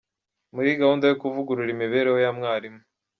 Muri gahunda yo kuvugurura imibereho ya mwarimu